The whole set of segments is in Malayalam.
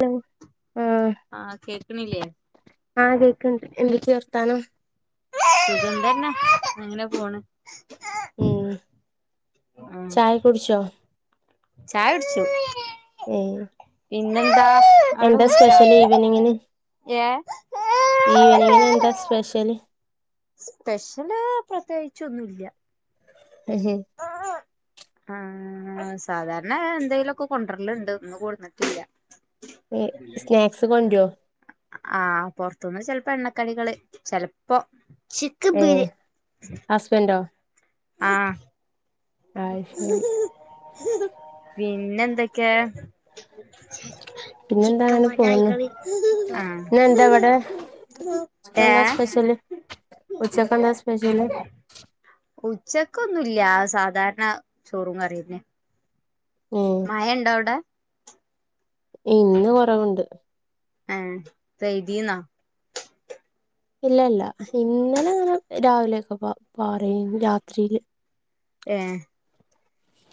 ഹലോ ആഹ് ആഹ്, കേക്ക്ണില്ലേ? ആഹ്, കേക്ക്ണ്ട്. എന്തൊക്കെ വർത്താനം. സുഖം ന്തന്നെ, അങ്ങനെ പോണ്. ഉം, ആഹ് ചായ കുടിച്ചോ? ചായ കുട്ച്ചു. ഉം [unintelligible] എന്താ സ്പെഷ്യല് ഈവനിങ്ങിന് ഏഹ് ഈവനിങ്ങിന് എന്താ സ്പെഷ്യല്. സ്പെഷ്യല് പ്രത്യേകിച്ചൊന്നും ഇല്ല. അയ് ശെ ആഹ് സാധാരണ എന്തെലുംക്കെ കൊണ്ടരലുണ്ട് ഇന്ന് കൊട്ന്നിട്ടില്ല. സ്നാക്സ് കൊണ്ടുവോ. ആഹ്, പൊറത്തുന്ന് ചെലപ്പോ എണ്ണക്കടികള്. ചെലപ്പോ. ഏ, ഹസ്ബൻഡോ? ആഹ്. ആഹ്, ശരി. പിന്നെ ന്തൊക്കെ? പിന്നെന്താ അങ്ങനെ പോവുന്നു ചിക്കമാട്ടായികള് [unintelligible] ഇന്നെന്താ ഇവിടെ ആഹ് എന്താ ഏഹ് സ്പെഷ്യല് ഉച്ചക്കെന്താ [unintelligible] ഉച്ചക്കൊന്നുംല്ല സാധാരണ ചോറൂം കറിയന്നെ. ഉം മയണ്ടോ, വിടെ? ഇന്ന് കൊറവുണ്ട്. ആഹ്, പെയ്തീന്നാ. ഇല്ല, ഇല്ല, ഇന്നലെ ങ്ങനെ രാവിലെ ക്കെ പാറീനു രാത്രിയില്. ഏ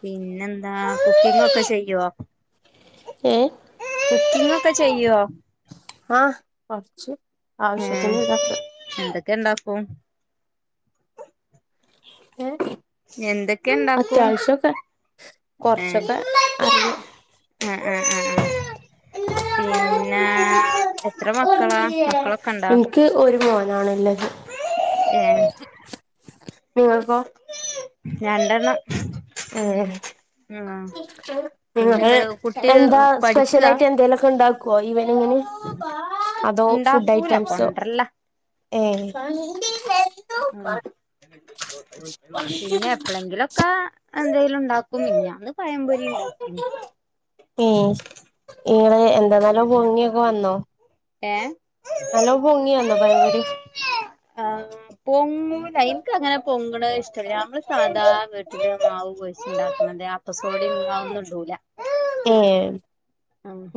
പിന്നെ എന്താ കുക്കിംഗ് ഒക്കെ ചെയ്യുവോ ഏഹ് കുക്കിംഗ് ഒക്കെ ചെയ്യുവോ ആ കുറച്ച് ആവശ്യത്തിന് [unintelligible] ക്കണ്ടാക്കും [unintelligible] [unintelligible] ഇണ്ടാക്കും അത്യാവശ്യമൊക്കെ കുറച്ചൊക്കെ അ അ അ അ പിന്നെ എത്ര മക്കളാ? മക്കളൊക്കെ ഉണ്ടോ? എനിക്ക് ഒരു മോനാണ്ള്ളത് മം നിങ്ങൾക്കോ രണ്ടെണ്ണം ആഹ് മ് പിന്നെന്താ കുട്ടി എന്താ സ്പെഷ്യൽ പഠിക്കാ ആയിട്ട് എന്തേലുമൊക്കെ ഉണ്ടാ [unintelligible] [unintelligible] അതോ ഫുഡ്‌ ഇണ്ടാക്കൂല ഐറ്റംസോ കൊണ്ടരല്ല ഏ [unintelligible] മം പിന്നെ എപ്പളങ്കിലൊക്കെ എന്തെങ്കിലും ഉണ്ടാക്കും മിനിഞ്ഞാന്ന് പഴംപൊരി ഏ [unintelligible] നിങ്ങള് എന്താെന്നാലോ പൊങ്ങിയൊക്കെ വന്നോ? ഏ നല്ലോ പൊങ്ങി വന്നോ പഴംപൊരി ആ പൊങ്ങൂല എനിക്ക് അങ്ങനെ പൊങ്ങണ് ഇഷ്ടല്ല നമ്മള് സാധാ വീട്ടിലെ മാവ് കുഴ ഉണ്ടാക്കുന്നതേ അപ്പസോഡേം [unintelligible] ഏ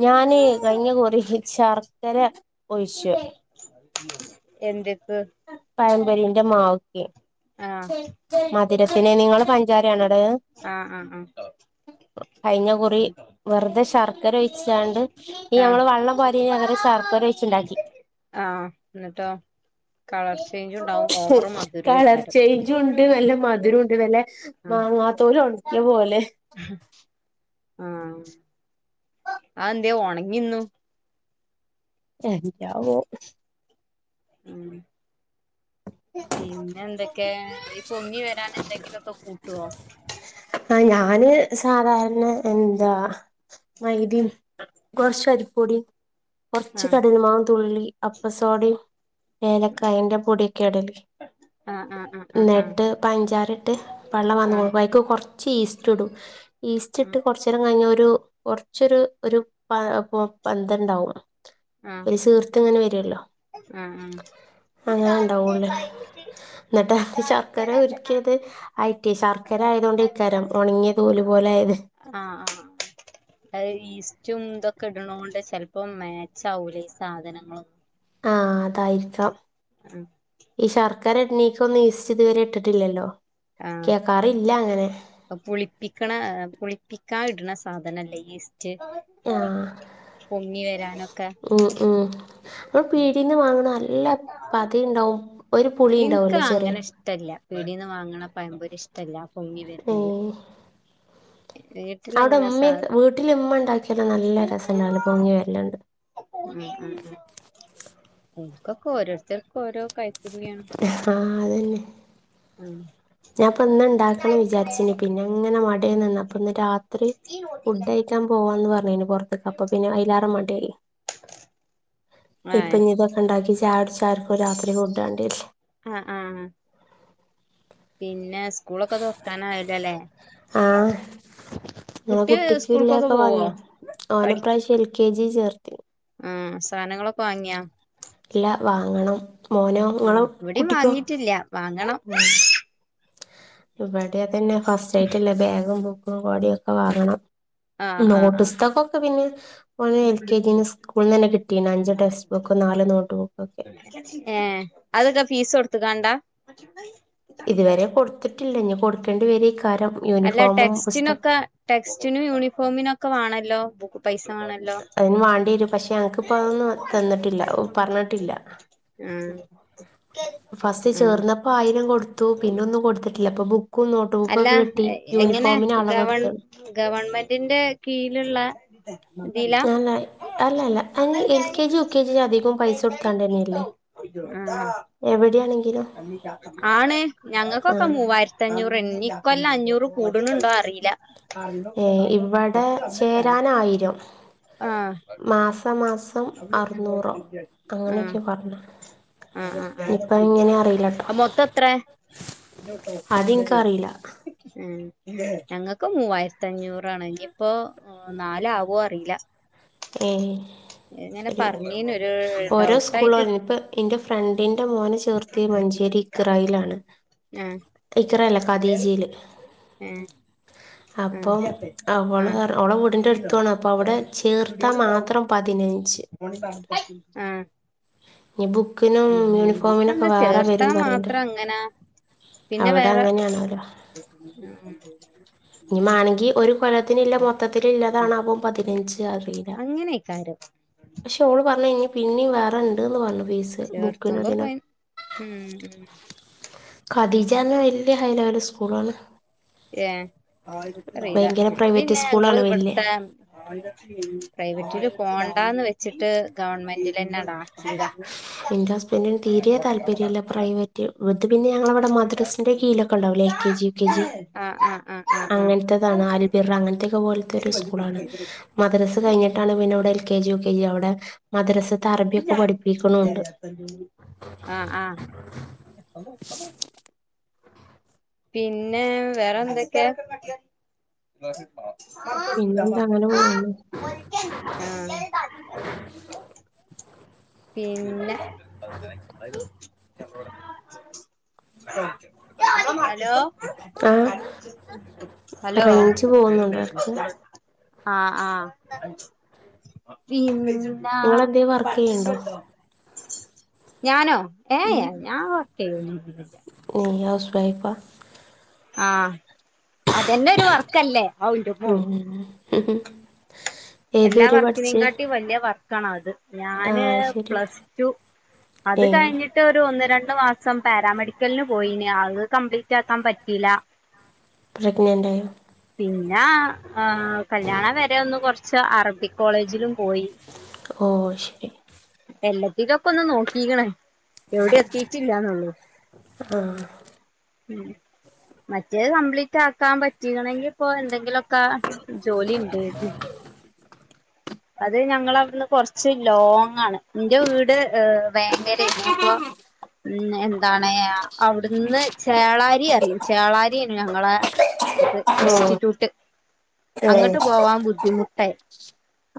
ഞാനേ കഴിഞ്ഞ കോറി ശർക്കര ഒഴിച്ചു എന്ത് [unintelligible] [unintelligible] മാവ് [unintelligible] മ [unintelligible] നിങ്ങൾ പഞ്ചായ [unintelligible] ആഹ് ആഹ് കഴിഞ്ഞ കുറി വെറുതെ ശർക്കര ഒഴിച്ചാണ്ട് ഈ ഞമ്മള് വള്ളം [unintelligible] ആ എന്നിട്ടോ കളർ ചേഞ്ച് ഉണ്ടാവും ഓവർ കളർ മധുരേക്കാരം ചേഞ്ച്‌ ഉണ്ട്. നല്ല മധുരം ഉണ്ട് വല്ലെ ആഹ് മാങ്ങാതോല് ഇത്പോലെ ആ എന്ത് ഒണങ്ങിന്നു എന്താവോ ഉം പിന്നെ എന്തേ ഏ ഈ പൊങ്ങി വരൻ എന്തെങ്കിലുമൊക്കെ കൂട്ടുവോ ആഹ് ഞാന് സാധാരണ എന്താ മൈദെയും കുറച്ച് അരിപ്പൊടിയും കുറച്ച് ആഹ് കടലമാവ് തുള്ളി അപ്പസോടയും ഏലക്കായിൻറെ പൊടിക്കെ ഇടല് ആഹ് ആഹ് ആഹ് നെട്ട് പഞ്ചാര ഇട്ട് വെള്ളം ആഹ് ആഹ് വന്നും ബൈക്ക് കുറച്ച് ചീസ്റ്റുടും ഈസ്റ്റ് ഇട്ട് കുറച്ച നേരം കഴിഞ്ഞൊരു ഒരു കുറച്ചരു ഒരു പൊ പന്ത്രണ്ടാവും ആഹ് ആഹ് ഒരു സീർത്ത് ഇങ്ങനെ വരുല്ലോ ആഹ് ആഹ് അങ്ങനെ ഉണ്ടാവുള്ളല്ലോ എന്നിട്ട് ശർക്കര ഒരുക്കിയത് ആയിട്ടേ ശർക്കര ആയത്കൊണ്ടായിരിക്കാരം ഉണങ്ങിയ തോല് പോലെ ആയത് ജ്ജുമന്തൊക്കെ ഇടുന്നോണ്ട് ചിലപ്പോമേ ചൗരേ സാധനങ്ങളും ആ അതായിരിക്കാം ആഹ് ഇഷാർ ആക്കാര എണീക്കൊ ഒന്നും യീസ്റ്റ് ഇതുവരെ ഇട്ടിട്ടില്ലല്ലോ ആ കേൾക്കാറില്ല അങ്ങനെ പുളിപ്പിക്കണ പുളിപ്പിക്ക് [unintelligible] ന സാധനല്ലേ ഈസ് ആ പൊങ്ങി വരാനൊക്കെ നമ്മൾ പീടീന്ന് വാങ്ങണ നല്ല പതയുണ്ടാവും ഒരു ഇൻക്ക് പുളിയുണ്ടാവല്ലേ ചെറിയ അങ്ങനെ ടല്ല പൊങ്ങി ഏ വരണത് അവിടെ വീട്ടിലങ്ങനെ സാ ഉമ്മയും വീട്ടില് ഉമ്മ ഉണ്ടാക്കിയല്ലോ നല്ല രസമുണ്ടാവല്ണ്ട് പൊങ്ങി വരല്ണ്ട് [unintelligible] ങ്ങക്കൊക്കെ ഓരോരുത്തർക്കും ഓരോ കയ് ആഹ അതന്നെ ഉം ഞാൻപ്പൊ ഇന്ന് ഇണ്ടാക്കണം വിചാരിച്ചന് പിന്നെ അങ്ങനെ മടി [unintelligible] അപ്പൊന്ന് രാത്രി ഫുഡ് കയ്യക്കാൻ പോവാന്ന് പറഞ്ഞ പുറത്തേ അപ്പൊ പിന്നെ അയലാറ മടിയാ ടൈ ഇപ്പൊ ഏഹ് ഞ് ഇതൊക്കെ ഉണ്ടാക്കിസ് ചർ [unintelligible] ആ ചാരക്ക രാത്രിപോ ആ ആ പിന്നെ സ്കൂളൊക്കെ തുറക്കാനായല്ലോ ലെ ആഹ് ഇങ്ങള് കുട്ടി സ്കൂൾക്കൊക്കെ കുട്ടിക്കില്ലൊക്കെ പോവോ വാങ്ങിയോ ഓന് ഇപ്രാവശ്യം ൽ കെ ജി ചേർത്തി മ്മ് സാധനങ്ങളൊക്കെ വാങ്ങിയോ ഇല്ല വാങ്ങണം മോനോ ഇങ്ങളെ മ്മ് ഇവിടെയും കുട്ടിക്കോ വാങ്ങിട്ടില്ലാ വാ ഉം [unintelligible] കു തന്നെ ഫസ്റ്റ് ആയിട്ടുള്ള ബാഗും കോടൊയൊക്കെ വാങ്ങണം ആഹ് ആഹ് ആഹ് നോട്ട്സ്തക്കൊക്കെ പിന്നെ ഓളെ എൽ കെ ജിന്ന് സ്കൂളിന്നന്നെ കിട്ടീണ് അഞ്ച് ടെക്സ്റ്റ് ബുക്കും നാല് നോട്ട് ബുക്കൊക്കെ ത്തുകണ്ടാ ഇതുവരെ കൊടുത്തിട്ടില്ല ഞ് കൊടുക്കേണ്ടി വരേയ് അല്ല ടെക്സ്റ്റിനൊക്കെ ടെക്സ്റ്റിനും യൂണിഫോമിനും ഒക്കെ വേണല്ലോ ബുക്ക് അതിന് വാണ്ടേരും പക്ഷേ ആ ആ പറഞ്ഞിട്ടില്ല ഫസ്റ്റ് ചേർന്നപ്പോ ആയിരം കൊടുത്തു പിന്നെ ഒന്നും കൊടുത്തിട്ടില്ല ഇപ്പൊ ബുക്കും നോട്ട് ബുക്കും അല്ല ഒക്കെ കിട്ടി എങ്ങനെ യൂണിഫോമിന് ഗവൺ അളവെടുത്തു ഗവൺമെന്റിന്റെ കീഴില്ള്ള അല്ല അല്ലല്ല അനി L K G U K G അധികം പൈസ കൊടുത്താണ്ട് തന്നെല്ലേ ആഹ് എവിടെ ഇവിടെയാണെകിൽ ആണ് ആ ഞങ്ങൾക്കൊക്കെ മൂവായിരത്തഞ്ഞൂറണ് കൊല്ലം അഞ്ഞൂറ് കൂടുണുണ്ടോ അറിയില്ല ഏ ഇവിടെചേരാനായിരം മാസ മാസം അറുന്നൂറോ ആ അങ്ങനെയൊക്കെ പറഞ്ഞു ഇനിയിപ്പം എങ്ങനെ അറിയില്ല കേട്ടോ ആആ മൊത്തം എത്ര അതെനിക്കറിയില്ല ഉം ഞങ്ങക്ക് മൂവായിരത്തഞ്ഞൂറ് ആണ് ഇനിയിപ്പോ ആ നാലാവോ അറിയില്ല ഏ ഇങ്ങനെ ശരി പറഞ്ഞീന് ഒരു ഓരോ സ്കൂള ഡൗട്ടായിട്ട് ഇപ്പ എന്റെ ഫ്രണ്ടിന്റെ ന്റെ മോനചേർത്തിയ മഞ്ചേരി ഇഖറായിൽ ആണ്. ആഹ് ഖദീജീല് ഏഹ് അപ്പം ആഹ് അവള് ആഹ് ഓളെ വീടിന്റെ അടുത്തു ആണ് അപ്പം അവിടെ ചേർ അ ഇനി ബുക്കിനും യൂണിഫോമിനൊക്കെ എന്താ വേറെ ചേർത്താ വരും പറയണ്ട് മാത്രം അങ്ങനാ പിന്നെ അവിടെ വേറെ. അങ്ങനെയാണല്ലോ ഇനിമാണെങ്കി ഒരു കൊലത്തിന് ഇല്ല മൊത്തത്തി ഇല്ലാതാണാവോ പതിനഞ്ച് അറിയില്ല അങ്ങനെക്കാരം വേറെണ്ട്ന്ന് പറഞ്ഞു. ഫീസ് ബുക്ക് ചേർത്തുമ്പോ പൈ ഉം [unintelligible] ഉം ഖതിജന്ന് വലിയ ഹൈ ലെവൽ സ്കൂളണ് ഏ അറിയില്ല ഭയങ്കര ഞാൻ പ്രൈവറ്റ് പിന്നെ ഞങ്ങള് സ്കൂളാണ് വലിയ ഇവിടുത്തെ പ്രൈവറ്റില് പോണ്ടാന്ന് വെച്ചിട്ട് ഗവൺമെന്റി തന്നെ ഡ എന്റെ ഹസ്ബന്റിന് തീരെ താല്പര്യ ഇല്ല പ്രൈവറ്റ് [unintelligible] പിന്നെ ഞങ്ങളവിടെ മദ്രസിന്റെ കിഴിയല്ലെയൊക്കെ ഉണ്ടാവില്ലേ എൽകെജി യുകെജി ആഹ് ആഹ് ആഹ് ആഹ് അങ്ങനത്താണ് [unintelligible] അങ്ങനത്ത്പോലെത സ്കൂൾയാണ് മദ്രസ ആഹ് കഴിഞ്ഞിട്ടാണ് അവിടെ എൽകെജി യുകെജി അവിടെ മദ്ര അറബി ഒക്കെ പഠിപ്പി ആഹ ആഹ പിന്നെ വേറെ എന്തൊക്കെ. പിന്നെന്താ അങ്ങനെ ആഹ് പോകുന്നു പിന്നെ [inaudible] ഹലോ ആ ഹലോ റേഞ്ച് പോകുന്നുണ്ടോ ഇടക്ക് ആഹ ആഹ പിന്ന നിങ്ങളെന്തേ വർക്ക് ചെയ്യണ്ടോ [unintelligible] ഞാനോ ഉം ഏയ് ഞാ [unintelligible] നിയ്യ് ഹൗസ് വൈഫ ആഹ് അതന്നെ ഒരു വർക്കല്ലേ അവന്റെ മൂ ഉം ഏത് എല്ലാ വരെ വർക്കിനേം പഠിച്ച് കാട്ടി വലിയ വർക്കാണത് ആ ഞാന് ശരി പ്ലസ് ടു അത് ഏ കഴിഞ്ഞിട്ട് ഒരു ഒന്ന് ര മൂന്ന് മാസം പാരാമെഡിക്കലിന് പോയിന്ന് അത് കംപ്ലീറ്റ് ആക്കാൻ പറ്റില്ല പ്രഗ്നന്റ് ആയോ പിന്നെ കല്യാണ വരെ ഒന്ന് കുറച്ച് അറബിക് കോളേജിലും പോയി ഓ ശരി എല്ല ഇതപ്പ ഒന്ന് നോക്കീക്കണേ എവിടെ എത്തീട്ടില്ലന്നുള്ളൂ ആഹ മറ്റേത് കംപ്ലീറ്റ് ആക്കാൻ പറ്റയിണെങ്കിൽ ഇപ്പൊ എന്തെങ്കിലുമൊക്കെ ജോലി ഇണ്ട് അത് ഞങ്ങള അവിന്ന് കൊറച്ച് ലോങ്ങ ആണ് ന്റെ വീട് ഏഹ് വേങ്ങര ആയിനു അപ്പൊ ഉം എൻ താണയ അവിടുന്ന് ചേളാരി അറിയും ചേളാരിയന്ന് ഞങ്ങളെ ഓ ഇൻസ്റ്റിറ്റ്യൂട്ട് ഏ അങ്ങോട്ട് പോവാൻ ബുദ്ധിമുട്ടായി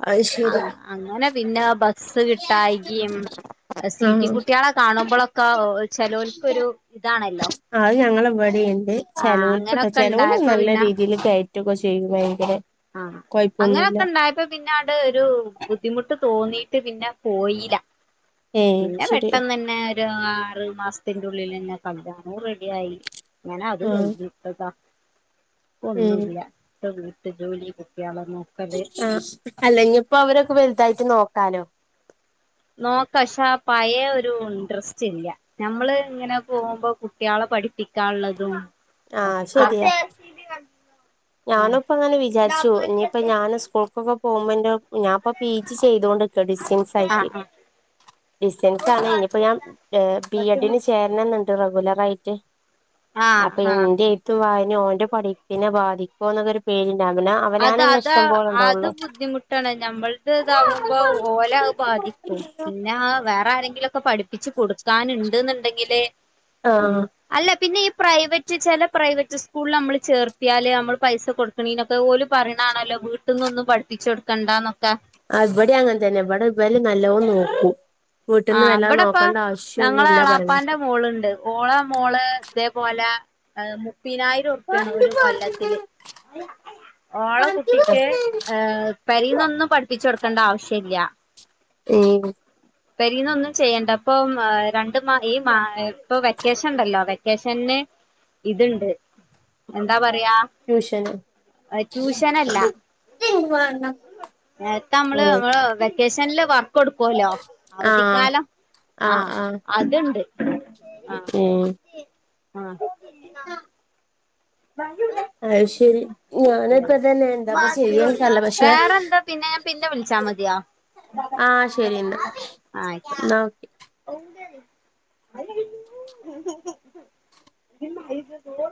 അത് ആ ശരി അങ്ങനെ പിന്നെ ബസ്സ് കിട്ടി ട്ടായിക സീട്ടി കുട്ടികളെ കാണുമ്പോഴൊക്കെ ചെലോൽക്ക് ആ ഒരു ഇതാണല്ലോ അത് ഞങ്ങളെ ഇവിടെയുണ്ട് ആ ചെലോൽക്ക്ട്ടോ അങ്ങനൊക്കെ ചെലോല് ഇണ്ടായപ്പോ നല്ല പിന്നെ രീതിയിൽ കയറ്റൊക്കെ ചെയ്യും ഭയങ്കര ആ കൊഴപ്പൊന്നുല്ല അങ്ങനെയൊക്കെണ്ടായപ്പോ പിന്നെ ഒരു ബുദ്ധിമുട്ട് തോന്നീട്ട് പിന്നെ പോയില്ല ഏ പിന്നെ ശരി പെട്ടെന്ന തന്നെ ഒരു ആറു മാസ ഇതിന്റുള്ളിൽ നിന്ന കല്യാണോം റെഡിയായി ഞാനാ അത് ആ കഴ്കിട്ടതാ ഉം ഒന്നുല്ല്യ വീട്ട് ജോലി കുട്ടിയാളെ ആഹ അല്ലെങ്കി ഇപ്പൊ അവരൊക്കെ വലുതായിട്ട് നോക്കാം വക്കാലോ നോക്കാം പക്ഷെ ആ പഴയ ഒരു ഇൻട്രസ്റ്റ് ഇല്ല ഞമ്മൾ ഇങ്ങനെ പോകുമ്പോ കുട്ടികളെ പഠിപ്പിക്കാള്ളതും ആ ഒക്കെ ശരിയാ ഞാനിപ്പ അങ്ങനെ വിചാരിച്ചു ഇനിയിപ്പ ഞാൻ സ്കൂൾക്കൊക്കെ ഫോമെന്റോ ഞാൻ ഇപ്പം പി ജി ചെയ്തൊണ്ട്ക്കാണ് ഡിസ്റ്റൻസ് ആയിട്ട് ആഹ് ആഹ് ഡിസ്റ്റൻസ് ആണ് ഇനിപ്പോ ഞാൻ ബി എഡിന് ചേരണന്നുണ്ട് ലറായിട്ട് ആഹ് അപ്പൊ ആഹ് എന്റെത്ത് എയ്ത്തും വായനയും ഇനി ഓൻ്റേ പഠിപ്പിനെ ബാധിക്കും പോകുന്നൊെരു [unintelligible] അത് അതാ അത് ബുദ്ധിമുട്ടാണ് ഞമ്മൾക്ക് ഇതാകുമ്പോ ഓല അ ബാധിക്കും പിന്നെ വേറെ ആരെങ്കിലൊക്കെ പഠിപ്പും പപ്പിച്ച് കൊടുക്കാനുണ്ട് എന്നുണ്ടെങ്കില് ആഹ് ഉം അല്ല പിന്നെ ഈ പ്രൈവറ്റ് ചില പ്രൈവറ്റ് സ്കൂളിൽ നമ്മള് ചേർത്തിയാല് നമ്മള് പൈസ കൊടുക്കണീന ഓൽപറയണാണല്ലോ വീട്ട പിന്നൊന്നും പഠിപ്പിച്ച് കൊടുക്കണ്ടന്നൊക്കെ അ ഇവിടെ അങ്ങനെ തന്നെ ഇവിടെ ഇവര് നല്ലോന്ന നോക്കും വീട്ടിൽന്ന് ആഹ വല്ലാതെ ഇവിടെ ഇപ്പ നോക്കേണ്ട ഞങ്ങളെ ആവശ്യൊന്നുല്ല അളാപ്പാന്റെ പറയണേക്കാ മോള്ണ്ട് ഓള മോള് ഇതേപോലെ ആ [unintelligible] പിനായിരം ഉറുപ്പ്യാണ് ഒരു കൊല്ലത്തില് ഓള കുട്ടിക്ക് ഏഹ പെരിനൊന്നും പഠിപ്പിച്ച് കൊടുക്കേണ്ട ആവശ്യല്ല [unintelligible] പെരിനൊന്നും ചെയ്യണ്ട അപ്പൊ രണ്ടു മാസ ഈ മാ ഇപ്പൊ വെക്കേഷൻ ഉണ്ടല്ലോ വെക്കേഷന്ന് ഇത്ണ്ട് എന്താ പറ യ ട്യൂഷന് ട്യൂഷനല്ല ഉം ആഹ് നേരത്ത മ്മള് മ്മള് വെക്കേഷൻല് വർക്ക് കൊടുക്കുവല്ലേ അവധിക്കാലം ആ അതുണ്ട് ഓ ആഹ അത് ശരി ഞാനിപ്പതന്നെ എന്തപ്പ ചെയ്യ [unintelligible] പക്ഷെ വേറെന്താ പിന്നെ ഞാൻ പിന്നെ വിളിച്ചാ മതിയോ ആഹ ശരി എന്നാ ആഹ് ആയിക്കോട്ടെ എന്ന ഓക്കെ [inaudible]